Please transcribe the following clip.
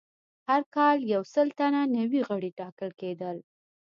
هر کال یو سل تنه نوي غړي ټاکل کېدل